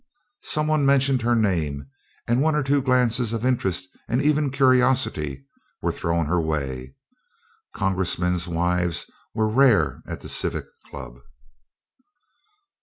Someone mentioned her name, and one or two glances of interest and even curiosity were thrown her way. Congressmen's wives were rare at the Civic Club.